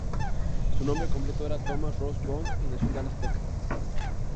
Su nombre completo era Thomas Ross Bond, y nació en Dallas, Texas.